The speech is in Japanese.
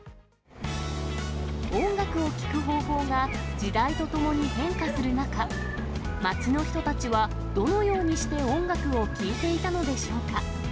音楽を聴く方法が時代とともに変化する中、街の人たちはどのようにして音楽を聴いていたのでしょうか。